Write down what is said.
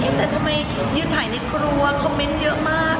แต่ทำไมยืนถ่ายในครัวคอมเมนต์เยอะมาก